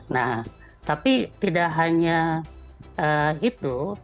nah tapi tidak hanya itu